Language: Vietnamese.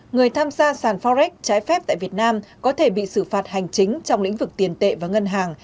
người tham gia sàn forex trái phép tại việt nam có thể bị xử phạt hành chính trong lĩnh vực tiền tệ và ngân hàng